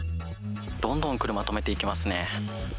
どんどん車止めていきますね。